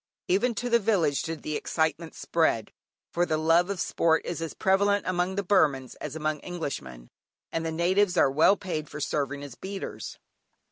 Even to the village did the excitement spread, for the love of sport is as prevalent among the Burmans as among Englishmen; and the natives are well paid for serving as beaters.